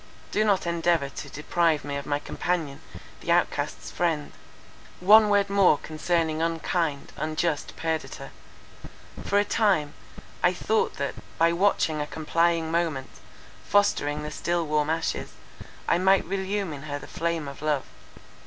Do not endeavour to deprive me of my companion, the out cast's friend. "One word more concerning unkind, unjust Perdita. For a time, I thought that, by watching a complying moment, fostering the still warm ashes, I might relume in her the flame of love.